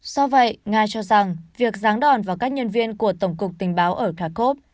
do vậy nga cho rằng việc ráng đòn vào các nhân viên của tổng cục tình báo ở kakov